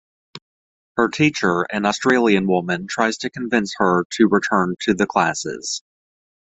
Her teacher, an Australian woman, tries to convince her to return to the classes.